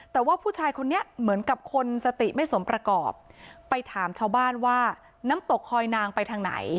แต่ว่าผู้ชายคนนี้เหมือนกับคนสติไม่สมประกอบไปถามชาวบ้านว่าน้ำตกคอยนางไปทางไหน